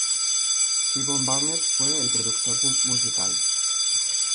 T Bone Burnett fue el productor musical.